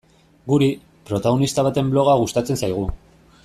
Guri, protagonista baten bloga gustatzen zaigu.